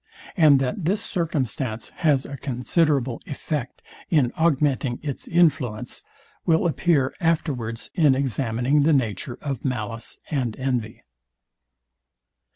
And that this circumstance has a considerable effect in augmenting its influence, will appear afterwards in examining the nature of malice and envy.